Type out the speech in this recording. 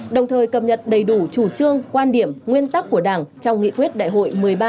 đồng thời cập nhật đầy đủ chủ trương quan điểm nguyên tắc của đảng trong nghị quyết đại hội một mươi ba